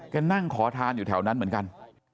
ก็นั่งขอทานอยู่แถวนั้นเหมือนกัน